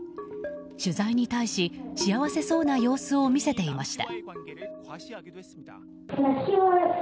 取材に対し、幸せそうな様子を見せていました。